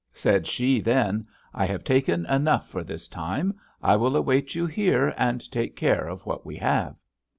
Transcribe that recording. Said she then: 'I have taken enough for this time. I will await you here and take care of what we have.'